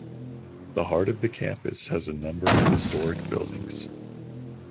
The heart of the campus has a number of historic buildings.